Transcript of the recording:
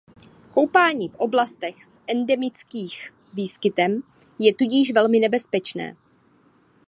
Koupání v oblastech s endemických výskytem je tudíž velmi nebezpečné.